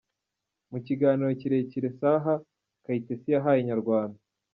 Mu kiganiro kirekire Salha Kayitesi yahaye Inyarwanda.